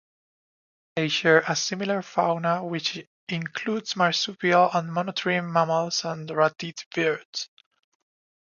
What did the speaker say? They share a similar fauna which includes marsupial and monotreme mammals and ratite birds.